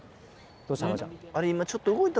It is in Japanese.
どうした？